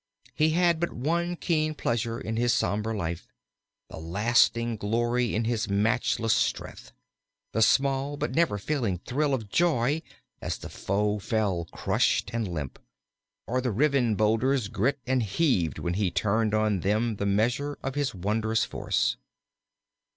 He had but one keen pleasure in his sombre life the lasting glory in his matchless strength the small but never failing thrill of joy as the foe fell crushed and limp, or the riven boulders grit and heaved when he turned on them the measure of his wondrous force.